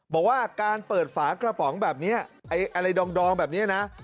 บอกว่าการเปิดฝากระป๋องแบบเนี้ยไอ้อะไรดองดองแบบเนี้ยน่ะ